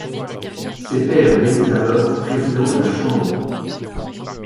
Ses pairs l'élisent alors président de la Chambre.